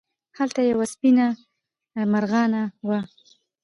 هلته یوه سپېنه مرغانه وه.